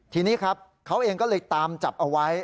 ทีนี้ครับเขาเองก็เลยตามจับเอาไว้